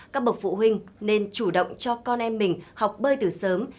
các bậc phụ huynh nên chủ động cho con em mình học bơi từ sớm